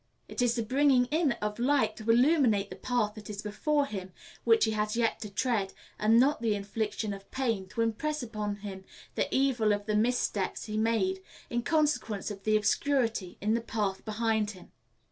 It is the bringing in of light to illuminate the path that is before him which he has yet to tread, and not the infliction of pain, to impress upon him the evil of the missteps he made, in consequence of the obscurity, in the path behind him.